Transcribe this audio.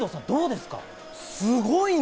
すごいな！